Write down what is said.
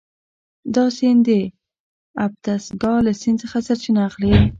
دا سیند د اتبسکا له سیند څخه سرچینه اخلي.